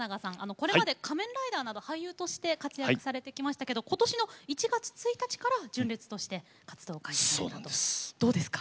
これまで「仮面ライダー」など俳優として活躍されてきましたけど今年の１月１日から純烈として活動を開始されたんですね。